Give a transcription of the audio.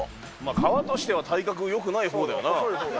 川としては体格よくないほうだよな。